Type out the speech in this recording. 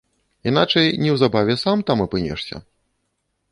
Іначай неўзабаве сам там апынешся.